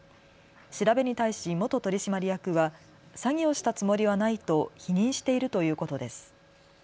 調べに対し元取締役は詐欺をしたつもりはないと否認しているということです。